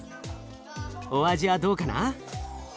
お味はどうかな？